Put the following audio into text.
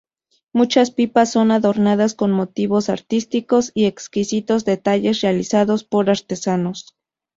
Muchas pipas son adornadas con motivos artísticos y exquisitos detalles realizados por artesanos.